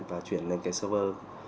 và chuyển lên cái server